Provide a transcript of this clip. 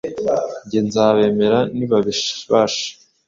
njye nza bemera nibabibasha